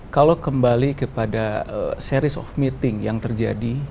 kalau kembali kepada series of meeting yang terjadi